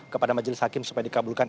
kepada majelis hakim supaya dikabulkan